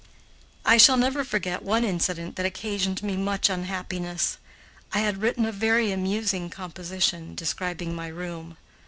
I shall never forget one incident that occasioned me much unhappiness. I had written a very amusing composition, describing my room.